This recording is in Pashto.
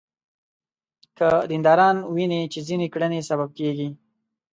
که دینداران ویني چې ځینې کړنې سبب کېږي.